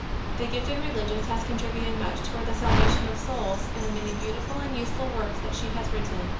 This gifted Religious has contributed much toward the salvation of souls in the many beautiful and useful works that she has written.